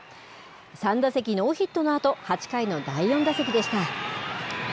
３打席ノーヒットのあと、８回の第４打席でした。